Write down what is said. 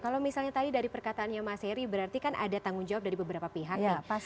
kalau misalnya tadi dari perkataannya mas heri berarti kan ada tanggung jawab dari beberapa pihak